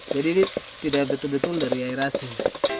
jadi ini tidak betul betul dari air asin